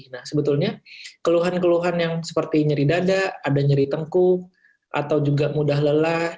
nah sebetulnya keluhan keluhan yang seperti nyeri dada ada nyeri tengkuk atau juga mudah lelah